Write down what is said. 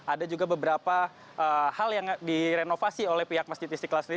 ada juga beberapa hal yang direnovasi oleh pihak masjid istiqlal sendiri